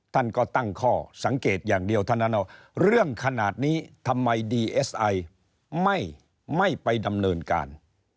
ท่านก็ตั้งข้อสังเกตอย่างเดียวเท่านั้นเรื่องขนาดนี้ทำไมดีเอสไอไม่ไปดำเนินการ